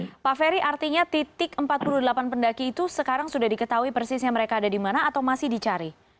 oke pak ferry artinya titik empat puluh delapan pendaki itu sekarang sudah diketahui persisnya mereka ada di mana atau masih dicari